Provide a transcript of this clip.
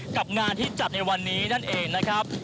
กับงานที่จัดในวันนี้นั่นเองนะครับ